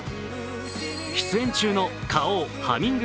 出演中の花王ハミング